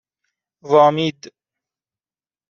وامید